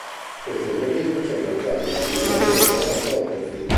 Questi organismi sono quasi esclusivamente autotrofi.